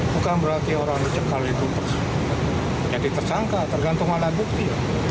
bukan berarti orang dicekal itu menjadi tersangka tergantung alat bukti